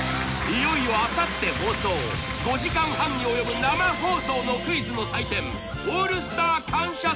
いよいよあさって放送５時間半に及ぶ生放送のクイズの祭典